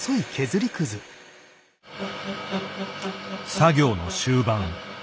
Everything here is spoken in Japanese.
作業の終盤。